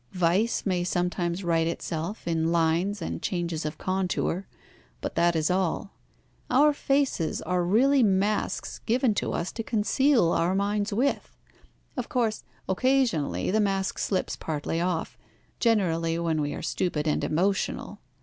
Vice may sometimes write itself in lines and changes of contour, but that is all. Our faces are really masks given to us to conceal our minds with. Of course occasionally the mask slips partly off, generally when we are stupid and emotional.